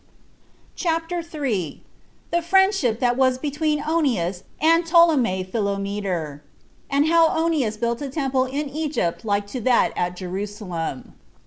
CHAPTER 3. The Friendship That Was Between Onias And Ptolemy Philometor; And How Onias Built A Temple In Egypt Like To That At Jerusalem.